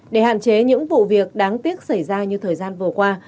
để hạn chế những vụ việc đáng tiếc xảy ra như thời gian vừa qua